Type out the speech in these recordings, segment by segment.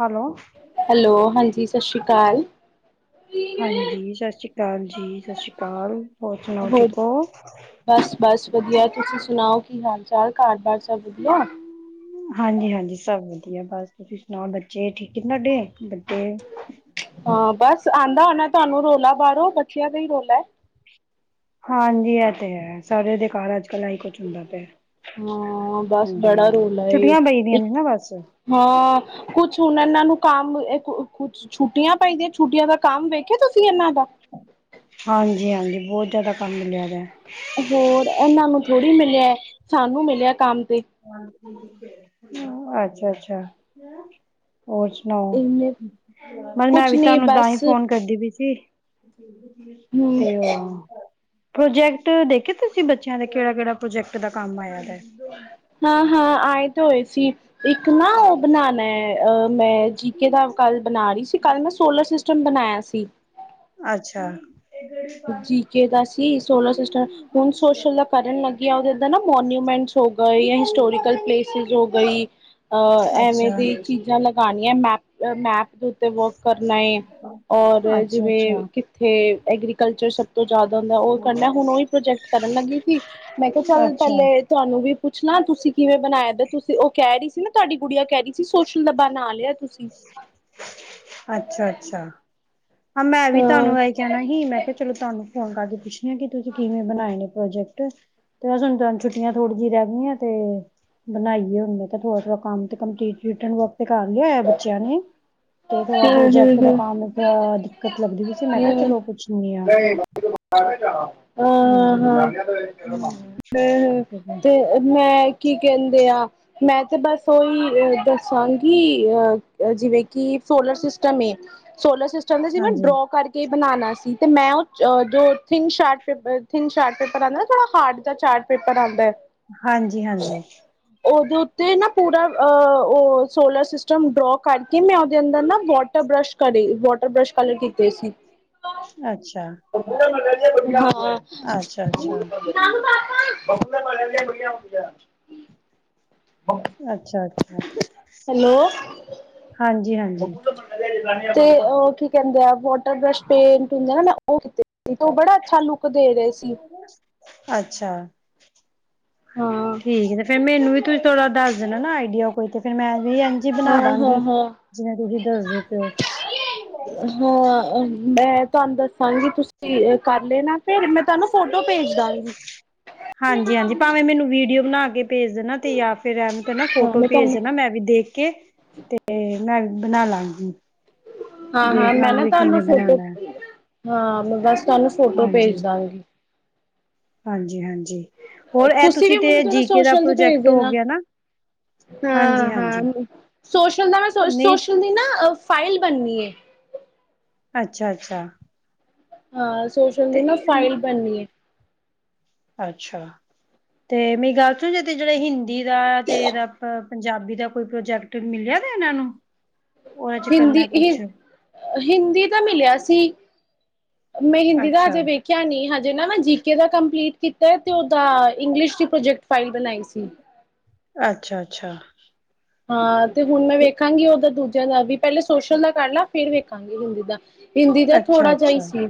Hello hello, ਹਾਂਜੀ। ਸਤਿ ਸ਼੍ਰੀ ਅਕਾਲ। ਹਾਂਜੀ, ਸਤਿ ਸ੍ਰੀ ਅਕਾਲ ਜੀ। ਸਤਿ ਸ਼੍ਰੀ ਅਕਾਲ। ਹੋਰ ਸੁਣਾਓ ਠੀਕ ਔ। ਬਸ ਚਲ ਘਰ ਦੱਸ ਹਾਂਜੀ, ਹਾਂਜੀ ਸਭ ਵਧੀਆ। ਬਸ ਤੁਸੀਂ ਸੁਣਾਓ। ਬੱਚੇ ਠੀਕ ਏ ਤੁਹਾਡੇ। ਬੱਚੇ ਹਾਂ, ਬਸ ਆਂਦਾ ਹੋਣਾ ਤੁਹਾਨੂੰ ਰੋਲਾ। ਬਾਹਰੋ ਬੱਚਿਆਂ ਦਾ ਹੀ ਰੋਲਾ। ਹਾਂਜੀ। ਇਹ ਤੇ ਹੈ ਸਾਰੇ ਦੇ ਘਰ ਅੱਜ ਕੱਲ੍ਹ ਇਹੀ ਕੁਛ ਹੁੰਦਾ ਪਿਆ। ਹਾਂ, ਬਸ ਹਾਂਜੀ ਬੜਾ ਹਾਂਜੀ ਰੋਲ ਏ। ਛੁੱਟੀਆਂ ਪਈ ਦੀਆਂ ਇੱਕ ਨੇ ਨਾ ਬਸ ਹਾਂ ਕੁਛ ਹੁਣ ਇਹਨਾਂ ਨੂੰ ਕੰਮ। ਕੁਛ ਛੁੱਟੀਆਂ ਪਾਈ ਦੀਆਂ ਛੁੱਟੀਆਂ ਦਾ ਕੰਮ ਵੇਖਿਆ ਤੁਸੀਂ ਇਹਨਾਂ ਦਾ ਹਾਂਜੀ, ਹਾਂਜੀ। ਬਹੁਤ ਜ਼ਿਆਦਾ ਕੰਮ ਮਿਲਿਆ ਦਾ ਹੋਰ ਇਹਨਾਂ ਨੂੰ ਥੋੜ੍ਹੀ ਮਿਲਿਆ ਸਾਨੂੰ ਮਿਲਿਆ ਕੰਮ। ਤੇ ਹਾਂਜੀ ਬ [inaudible] ਅੱਛਾ, ਅੱਛਾ। ਹੋਰ ਸੁਣਾਓ। ਇਹਨੇ ਮਲ ਮੈਂ ਕੁਛ ਵੀ ਨੀ ਤੁਹਾਨੂੰ ਤਾਂ ਬਸ ਹੀ ਫੋਨ ਕਰਦੀ ਪੀ ਸੀ। [inaudible] ਹਮ ਤੇ ਉਹ ਪ੍ਰੋਜੈਕਟ ਦੇਖੇ ਤੁਸੀਂ ਬੱਚਿਆਂ ਦੇ ਕਿਹੜਾ- ਕਿਹੜਾ ਪ੍ਰੋਜੈਕਟ ਦਾ ਕੰਮ ਆਇਆ ਹੈ। ਹਾਂ, ਹਾਂ ਆਏ ਤੇ ਹੋਏ ਸੀ। ਇੱਕ ਨਾ ਉਹ ਬਣਾਨਾ ਹੈ ਅ ਮੈਂ ਜੀਕੇ ਦਾ ਕੱਲ ਬਣਾ ਰਹੀ ਸੀ। ਕੱਲ ਮੈਂ ਸੋਲਰ ਸਿਸਟਮ ਬਣਾਇਆ ਸੀ। ਅੱਛਾ। ਜੀਕੇ ਦਾ ਸੀ ਸੋਲਰ ਸਿਸਟਮ। ਹੁਣ ਸੋਸ਼ਲ ਦਾ ਕਰਨ ਲੱਗਿਆ ਉਹ ਨਾ ਮੋਨੂਮੈਂਟ ਗਏ ਜਾਂ ਹਿਸਟੋਰੀਕਲ ਪਲੇਸਿਸ ਹੋ ਗਈ ਅ ਐਵੇਂ ਅੱਛਾ ਦੀ ਚੀਜ਼ਾਂ ਲਗਾਣੀ। ਯਾਂ, ਮੈਪ- ਮੈਪ। ਉੱਤੇ ਵੋਕ ਕਰਨਾ ਏ। ਔਰ ਅੱਛਾ ਜਿਵੇਂ ਅੱਛਾ ਕਿੱਥੇ ਐਗਰੀ ਕਲਚਰ ਸਭ ਤੋਂ ਜ਼ਿਆਦਾ ਹੁੰਦਾ ਉਹ ਕਰਨਾ ਹੁਣ ਉਹੀ ਪ੍ਰੋਜੈਕਟ ਕਰਨ ਲੱਗੀ ਸੀ। ਮੈਂ ਕਿਹਾ ਚੱਲ ਅੱਛਾ ਪਹਿਲੇ ਤੁਹਾਨੂੰ ਵੀ ਪੁੱਛਲਾ। ਤੁਸੀਂ ਕਿਵੇਂ ਬਣਾਇਆ ਦੇ ਤੁਸੀਂ ਉਹ ਕਹਿ ਰਹੀ ਸੀ ਨਾ ਤੁਹਾਡੀ ਗੁੜੀਆਂ ਕਹਿ ਰਹੀ ਸੀ ਸੋਸ਼ਲ ਦਾ ਬਾਨਾ ਆ ਲਿਆ। ਤੁਸੀਂ ਅੱਛਾ, ਅੱਛਾ। ਹਾਂ, ਮੈਂ ਵੀ ਹਾਂ ਤੁਹਾਨੂੰ ਇਹ ਕਹਿਣਾ ਹੀ ਮੈਂ ਕਿਹਾ ਚਲੋ ਤੁਹਾਨੂੰ ਫੋਨ ਕਰ ਕਿ ਤੁਸੀਂ ਕਿਵੇਂ ਬਣਾਏ ਨੇ? ਪ੍ਰੋਜੈਕਟ ਤੇ ਬਸ ਹੁਣ ਤੁਹਾਨੂੰ ਛੁੱਟੀਆਂ ਥੋੜੀ ਜਿਹੀ ਰਹਿ ਗਈਆਂ ਤੇ ਬਣਾਈਏ ਹੁਣ ਮੈਂ ਥੋੜਾ ਥੋੜਾ ਕੰਮ ਤੇ ਕੰਪਟਰਨ ਵਰਕ ਤੇ ਕਰ ਲਿਆਇਆ ਬੱਚਿਆਂ ਨੇ ਤੇ ਹਮ ਥੋੜਾ ਹਮ ਪ੍ਰੋਜੈਕਟ ਦਾ ਹਮ ਕੰਮ ਥੋੜਾ ਦਿੱਕਤ ਲੱਗਦੀ ਪਈ ਸੀ ਮੈਂ ਕਿਹਾ ਹਾਂ ਚਲੋ ਪੁੱਛਣੀ ਆ ਹਾਂਜੀ ਤੇ ਮੈਂ ਕੀ ਕਹਿੰਦੇ ਆ ਮੈਂ ਤੇ ਬਸ ਉਹੀ ਦੱਸਾਂਗੀ ਅਹ ਜਿਵੇਂ ਕਿ ਸੋਲਰ ਸਿਸਟਮ ਸੋਲਰ ਸਿਸਟਮ ਚਹਿੰਦੇ ਸੀ ਮੈਂ ਹਾਂਜੀ ਡਰੋਪ ਕੇ ਬਣਾਉਣਾ ਸੀ ਤੇ ਮੈਂ ਉਹ ਜੋ thin short paper thin short paper ਆਉਂਦਾ ਨਾ ਥੋੜਾ ਹਾਰਡ ਦਾ ਚਾਰਟ ਪੇਪਰ ਆਉਂਦਾ ਹੈ ਹਾਂਜੀ ਹਾਂਜੀ ਉਹਦੇ ਉੱਤੇ ਨਾ ਪੂਰਾ ਉਹ ਸੋਲਰ ਸਿਸਟਮ ਡਰੋ ਕਰਕੇ ਮੈਂ ਉਹਦੇ ਅੰਦਰ ਨਾ ਵਾਟਰ ਬ੍ਰਸ਼ ਕਰੇ ਵਾਟਰ ਬਰਸ਼ ਅਤੇ ਅਸੀਂ ਅੱਛਾ ੜਾਂ ਹਾਂ ਅੱਛਾ ਅੱਛਾ ਬਬੂਲਾ ਪ ਵਧੀਆ ਹੋ ਗਿਆ ਅੱਛਾ ਅੱਛਾ ਹੈਲੋ? ਹਾਂਜੀ ਹਾਂਜੀ ਤੇ ਉਹ ਕੀ ਕਹਿੰਦੇ ਆ ਵਾਟਰ ਬਰਸ਼ ਪੇਂਟ ਹੁੰਦੇ ਨਾ ਨਾ ਉਹਤੇ ਤੇ ਉਹ ਬੜਾ ਅੱਛਾ ਲੁੱਕ ਦੇ ਰਹੇ ਸੀ। ਅੱਛਾ ਹਾਂ। [inaudible] ਠੀਕ ਤੇ ਫਿਰ ਮੈਨੂੰ ਵੀ ਤੁ ਥੋੜ ਦੱਸ ਦਿਣਾ ਨਾ ਆਈਡੀਆ ਕੋਈ ਤੇ ਫਿਰ ਮੈਂ ਵੀ ਇਜੀ ਬਣਾ ਹਾਂ, ਹਾਂ, ਦਾਂਗੀ ਹਾਂ। ਜਿਵੇਂ ਤੁਸੀਂ ਦੱਸਦੇ ਪਿਓ ਹਾਂ ਮੈਂ ਤੁਹਾਨੂੰ ਦੱਸਾਂਗੀ ਤੁਸੀਂ ਕਰ ਲੈਣਾ ਫਿਰ ਮੈਂ ਤੁਹਾਨੂੰ ਫੋਟੋ ਭੇਜ ਦਾਂਗੀ। ਹਾਂਜੀ ਹਾਂਜੀ ਭਾਵੇਂ ਮੈਨੂੰ ਵੀਡੀਓ ਬਣਾ ਕੇ ਭੇਜ ਦੇਣਾ ਤੇ ਜਾਂ ਫਿਰ ਐਨ ਕ ਨਾ ਹਾਂ ਫੋਟੋ ਮੈਂ ਭੇਜ ਤੁਹਾਨੂੰ ਦੇਣਾ ਮੈਂ ਵੀ ਦੇਖ ਕੇ ਤੇ ਬਣਾਲਾਂਗੀ ਹਾਂ ਹਾਂ ਮੈਂ ਨਾ ਤੁਹਾਨੂੰ ਫੋਟੋ ਬਣਾਉਣਾ ਹੈ ਹਾਂ ਮੈਂ ਬਸ ਤੁਹਾਨੂੰ ਫੋਟੋ ਹਾਂਜੀ। ਭੇਜ ਦਾਂਗੀ। ਹਾਂਜੀ ਹਾਂਜੀ। ਹੋਰ ਇਹ ਤੁਸੀਂ ਵੀ ਤੇ ਮੈਨੂੰ ਜੜਾ ਜੀ ਕੇ ਦਾ ਸੋਸ਼ਲ ਦੀ ਪ੍ਰੋਜੈਕਟ ਭੇਜਦੇ ਹੋ ਨਾ ਗਿਆ ਹਾਂਜੀ ਹਾਂ ਹਾਂਜੀ ਹਾਂ ਸੋਸ਼ਲ ਦਾ ਮੈਂ ਨਹੀਂ ਸੋਸ਼ਲ ਦੀ ਨਾ ਫਾਈਲ ਬਣਨੀ ਹੈ। ਅੱਛਾ ਅੱਛਾ। ਹਾਂ। ਸੋਸ਼ਲ ਤੇ ਦੀ ਨਾ ਫਾਈਲ ਬਣਨੀ ਹੈ। ਅੱਛਾ ਤੇ ਮੇਰੀ ਗੱਲ ਸੁਣ ਜੇ ਤੇ ਜਿਹੜਾ ਹਿੰਦੀ ਦਾ ਤੇ ਇਹਦਾ ਪੰਜਾਬੀ ਦਾ ਕੋਈ ਪ੍ਰੋਜੈਕਟ ਮਿਲਿਆ ਤੇ ਇਹਨਾਂ ਨੂੰ ਉਹਦੇ ਚ ਹਿੰਦੀ ਕਰਨਾ ਹਿੰ ਕੁਛ ਹਿੰਦੀ ਦਾ ਮਿਲਿਆ ਸੀ ਮੈਂ ਹਿੰਦੀ ਦਾ ਅੱਛਾ ਹਜੇ ਵੇਖਿਆ ਨੀ ਹਜੇ ਨਾ ਮੈਂ ਜੀ ਕੇ ਦਾ ਕੰਪਲੀਟ ਕੀਤਾ ਤੇ ਉਹਦਾ ਇੰਗਲਿਸ਼ ਦੀ ਪ੍ਰੋਜੈਕਟ ਫਾਈਲ ਬਣਾਈ ਸੀ। ਅੱਛਾ-ਅੱਛਾ ਹਾਂ ਤੇ ਹੁਣ ਮੈਂ ਵੇਖਾਂਗੀ ਉਹਦਾ ਦੂਜਾ ਵੀ ਪਹਿਲੇ ਸੋਸ਼ਲ ਦਾ ਕਰ ਲਾ ਫੇਰ ਵੇਖਾਂਗੇ ਹਿੰਦੀ ਦਾ ਹਿੰਦੀ ਦਾ ਅੱਛਾ ਥੋੜ੍ਹਾ ਜਾ ਹੀ ਅੱਛਾ ਸੀ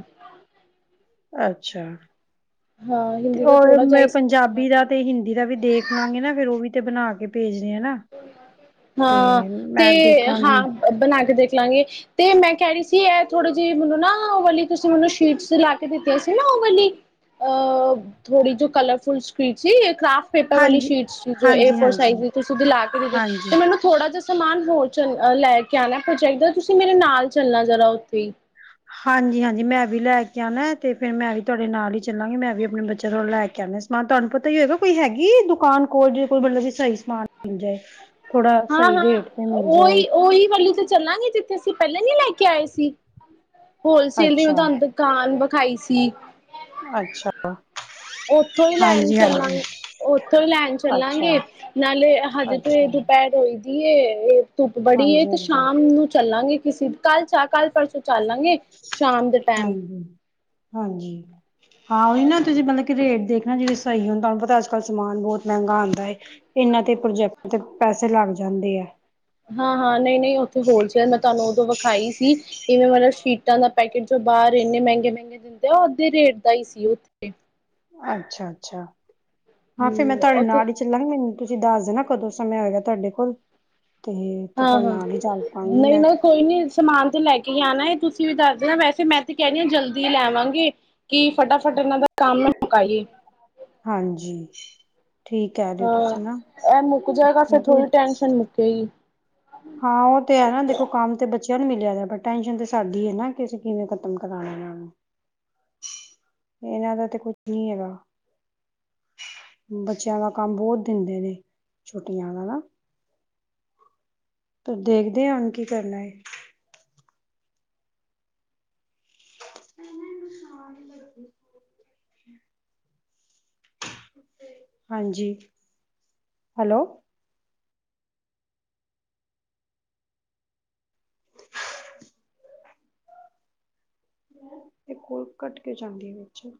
ਅੱਛਾ ਹਾਂ ਤੇ ਹਿੰਦੀ ਦਾ ਉਹ ਥੋੜਾ ਜਿਹਾ ਮੈਂ ਹੀ ਸੀ ਤੇ ਬਾਅਦ ਪੰਜਾਬੀ ਦਾ ਚ ਤੇ ਹਿੰਦੀ ਦਾ ਵੀ ਦੇਖ ਲਾਂਗੇ ਨਾ ਫੇਰ ਉਹ ਵੀ ਤੇ ਬਣਾ ਕੇ ਭੇਜ ਹਾਂ, ਮੈਂ ਤੇ ਹਾਂ ਦੇਖਾਂਗੀ ਬਣਾ ਕੇ ਦੇਖ ਲਾਂਗੇ ਤੇ ਮੈਂ ਕਹਿ ਰਹੀ ਸੀ ਇਹ ਥੋੜੀ ਜਿਹੀ ਮੈਨੂੰ ਨਾ ਉਹ ਵਾਲੀ ਤੁਸੀਂ ਮੈਨੂੰ ਸ਼ੀਟਸ ਲਾ ਕੇ ਦਿੱਤੀਆਂ ਸੀ ਨਾ, ਉਹ ਵਾਲੀ ਅਹ ਥੋੜੀ ਜੋ ਕਲਰਫੁਲ ਸ਼ੀਟ ਸੀ ਕਰਾਫਟ ਪੇਪਰ ਵਾਲੀ ਹਾਂਜੀ ਸ਼ੀਟਸ ਜੋ ਏ ਹਾਂਜੀ ਫੋਰ ਸਾਈਜ਼ ਹਾਂਜੀ ਦੀ ਲੈ ਕੇ ਦੀਦੇ ਹਾਂਜੀ ਤੇ ਮੈਨੂੰ ਥੋੜਾ ਸਮਾਨ ਹੋਰ ਚ ਲੈ ਕੇ ਆਣਾ ਪ੍ਰੋਜੈਕਟ ਦਾ ਤੁਸੀਂ ਮੇਰੇ ਨਾਲ ਚੱਲਣਾ ਜ਼ਰਾ ਉੱਥੇ ਹੀ ਹਾਂਜੀ-ਹਾਂਜੀ ਮੈਂ ਵੀ ਲੈ ਕੇ ਆਣਾ ਤੇ ਫੇਰ ਮੈਂ ਵੀ ਤੁਹਾਡੇ ਨਾਲ ਹੀ ਚੱਲਾਂਗੀ ਮੈਂ ਵੀ ਆਪਣੇ ਬੱਚਿਆਂ ਦਾ ਲੈ ਕੇ ਆਉਣਾ ਸਮਾਨ, ਤੁਹਾਨੂੰ ਪਤਾ ਹੀ ਹੋਏਗਾ ਕੋਈ ਹੈਗੀ ਦੁਕਾਨ ਕੋਲ ਜੇ ਕੋਈ ਮਤਲਬ ਸਹੀ ਸਮਾਨ ਮਿਲ ਜਾਏ ਥੋੜਾ ਹਾਂ ਸਹੀ ਹਾਂ ਰੇਟ ਤੇ ਮਿਲ ਜਾਏ ਉਹੀ ਉਹੀ ਵਾਲੀ ਤੇ ਚੱਲਾਂਗੇ ਜਿੱਥੇ ਅਸੀਂ ਪਹਿਲੇ ਨੀ ਲੈ ਕੇ ਆਏ ਸੀ ਹੋਲਸੇਲ ਦੀ ਮੈਂ ਤੁਹਾਨੂੰ ਦੁਕਾਨ ਖਾਈ ਸੀ ਅੱਛਾ ਉੱਥੋਂ ਹੀ ਲੈਣ ਚੱਲਾਂ ਉੱਥੋਂ ਹੀ ਲੈਣ ਅੱਛਾ-ਅੱਛਾ ਚੱਲਾਂਗੇ ਨਾਲੇ ਹਜੇ ਤੇ ਇਹ ਦੁਪਹਿਰ ਹੋਈ ਜ [unintelligible] ਧੁੱਪ ਬੜੀ ਤੇ ਹਾਂਜੀ-ਹਾਂਜੀ-ਹਾਂਜੀ। ਸ਼ਾਮ ਨੂੰ ਚੱਲਾਂਗੇ ਕਿਸੇ ਕੱਲ ਚ ਕੱਲ ਪਰਸੋਂ ਚੱਲਾਂਗੇ ਸ਼ਾਮ ਦੇ ਟਾਈਮ ਹਾਂਜੀ ਹਾਂਜੀ ਹਾਂਜੀ ਹਾਂਜੀ ਹਾਂ ਉਹੀ ਨਾ ਤੁਸੀਂ ਮਤਲਬ ਕਿ ਰੇਟ ਦੇਖ ਨਾ ਜਿਵੇਂ ਸਹੀ ਹੁੰਦਾ ਤੁਹਾਨੂੰ ਪਤਾ ਅੱਜ ਕੱਲ ਸਮਾਨ ਬਹੁਤ ਮਹਿੰਗਾ ਆਉਂਦਾ ਹੈਏ ਇਹਨਾਂ ਤੇ ਪ੍ਰੋਜੈਕਟ ਤੇ ਪੈਸੇ ਲੱਗ ਜਾਂਦੇ ਹੈ ਹਾਂ-ਹਾਂ ਨਹੀਂ-ਨਹੀਂ ਉੱਥੇ ਹੂਲਸਲੇ ਚ ਮੈਂ ਤੁਹਾਨੂੰ ਉਦੋਂ ਵ ਖਾਈ ਸੀ ਕਿਵੇਂ ਮਤਲਬ ਸ਼ੀਟਾਂ ਦਾ ਪੈਕੇਟ ਜੋ ਬਾਹਰ ਇੰਨੇ ਮਹਿੰਗੇ ਮਹਿੰਗੇ ਦਿੰਦੇ ਆ ਉਹ ਅੱਧੇ ਰੇਟ ਦਾ ਹੀ ਈ ਸੀ ਉੱਥੇ ਅੱਛਾ ਅੱਛਾ। ਹਾਂ ਫਿਰ ਮੈਂ ਹਮ ਤੁਹਾਡੇ ਉੱਥੇ ਨਾਲ ਹੀ ਚੱਲਾਂਗੀ। ਤੁਸੀਂ ਦੱਸ ਦੇਣਾ ਕਦੋਂ ਸਮੇਂ ਹੋਏਗਾ ਤੁਹਾਡੇ ਕੋਲ ਤੇ ਤੇ ਹਾਂ ਤੁਹਾਡੇ ਹਾਂ ਨਾਲ ਹੀ ਚੱਲ ਪਾਂਗੀ ਨਹੀਂ ਮੈਂ ਨਾ ਕੋਈ ਨੀ ਸਮਾਨ ਤੇ ਲੈ ਕੇ ਕਿ ਆਨਾ ਤੁਸੀਂ ਵੀ ਦੱਸਦੇ ਨਾ ਵੈਸੇ ਮੈਂ ਤੇ ਕਹਿਣੀ ਹਾਂ ਜਲਦੀ ਲੈਵਾਂਗੇ ਕਿ ਫਟਾਫਟ ਇਹਨਾਂ ਦਾ ਕੰਮ ਮੁਕਾਈਏ ਹਾਂਜੀ ਠੀਕ ਕਹਿ ਰਹੇ ਹੋ ਹਾਂ ਤੁਸੀਂ ਨਾ ਇਹ ਮੁੱਕ ਜਾਏਗਾ ਫੇਰ ਕਿਉਂਕਿ ਥੋੜ੍ਹੀ ਟੈਂਨਸ਼ਨ ਮੁੱਕੇਗੀ। ਹਾਂ ਉਹ ਤੇ ਹੈ ਨਾ ਦੇਖੋ ਕੰਮ ਤੇ ਬੱਚਿਆਂ ਨੂੰ ਵੀ ਜਿਆਦਾ ਪਰ ਟੈਸ਼ਨ ਤੇ ਸਾਡੀ ਹੈ ਨਾ ਕਿ ਅਸੀਂ ਕਿਵੇਂ ਖਤਮ ਕਰਾਣੇ ਇਹ ਨੂੰ ਇਹਨਾਂ ਦਾ ਤੇ ਕੁਛ ਨੀ ਹੈਗਾ ਬੱਚਿਆਂ ਦਾ ਕੰਮ ਬਹੁਤ ਦਿੰਦੇ ਨੇ ਛੋਟੀਆਂ ਦਾ ਨਾ। ਪਰ ਦੇਖਦੇ ਆ ਹੁਣ ਕੀ ਕਰਨਾ। [unintelligible] ਹਾਂਜੀ ਹੈਲੋ ਏ ਕੋਲ ਕੱਟ ਕਿਉ ਜਾਂਦੀ ਹੈ ਵਿੱਚ